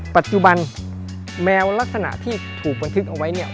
ปัจจุบันแมวลักษณะที่ถูกบันทึกเอาไว้เนี่ย